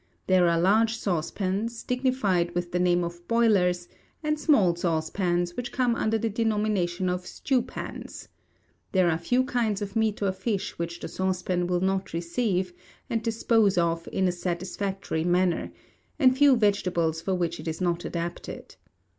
There are large saucepans, dignified with the name of Boilers, and small saucepans, which come under the denomination of Stewpans. There are few kinds of meat or fish which the Saucepan will not receive, and dispose of in a satisfactory manner; and few vegetables for which it is not adapted.